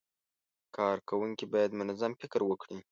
کارکوونکي باید منظم فکر وکړي.